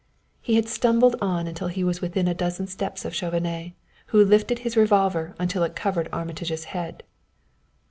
He had stumbled on until he was within a dozen steps of Chauvenet, who lifted his revolver until it covered Armitage's head.